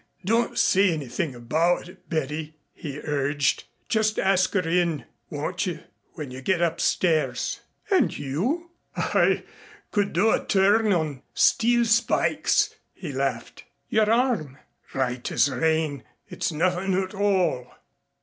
"Don't say anything about it, Betty," he urged. "Just ask her in, won't you, when you get upstairs." "And you?" "I could do a turn on steel spikes," he laughed. "Your arm?" "Right as rain. It's nothing at all."